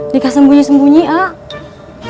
nikah sembunyi sembunyi ate